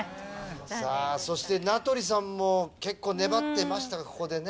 さあそして名取さんも結構粘ってましたがここでね。